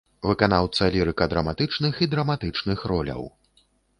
Выканаўца лірыка-драматычных і драматычных роляў.